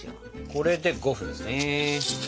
これで５分ですね。